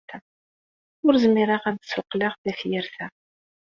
Ur zmireɣ ad d-ssuqqleɣ tafyirt-a.